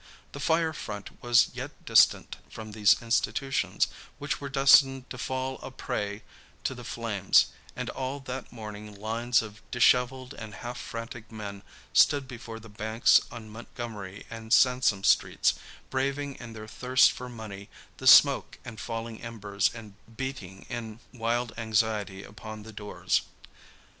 The fire front was yet distant from these institutions, which were destined to fall a prey to the flames, and all that morning lines of dishevelled and half frantic men stood before the banks on Montgomery and Sansome Streets, braving in their thirst for money the smoke and falling embers and beating in wild anxiety upon the doors.